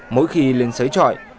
mỗi khi lên sới chọi